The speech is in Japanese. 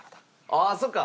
ああそっか！